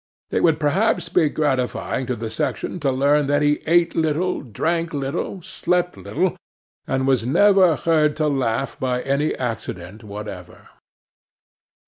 It would perhaps be gratifying to the section to learn that he ate little, drank little, slept little, and was never heard to laugh by any accident whatever.